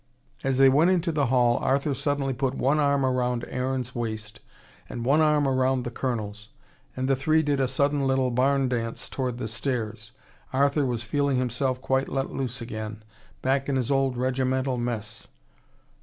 As they went into the hall, Arthur suddenly put one arm round Aaron's waist, and one arm round the Colonel's, and the three did a sudden little barn dance towards the stairs. Arthur was feeling himself quite let loose again, back in his old regimental mess.